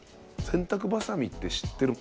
「洗濯ばさみって知ってる？」